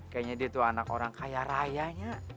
kayaknya dia tuh anak orang kaya raya nyiak